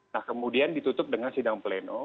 nah kemudian ditutup dengan sidang pleno